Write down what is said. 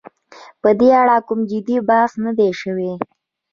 په دې اړه کوم جدي بحث نه دی شوی.